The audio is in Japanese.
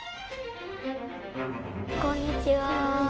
こんにちは。